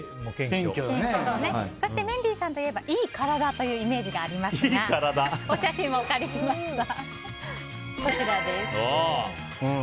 そしてメンディーさんといえばいい体というイメージがありますがお写真をお借りしました。